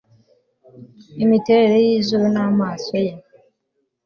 imiterere y'izuru n'amaso ye